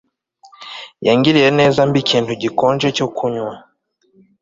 Yangiriye neza ampa ikintu gikonje cyo kunywa